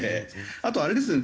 あとあれですね